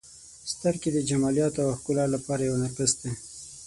• سترګې د جمالیاتو او ښکلا لپاره یو نرګس دی.